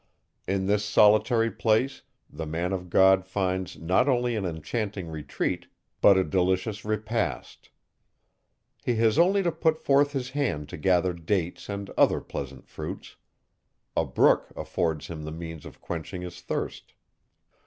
In this solitary place, the man of God finds not only an enchanting retreat, but a delicious repast. He has only to put forth his hand to gather dates and other pleasant fruits; a brook affords him the means of quenching his thirst.